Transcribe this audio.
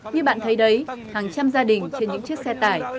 như bạn thấy đấy hàng trăm gia đình trên những chiếc xe tải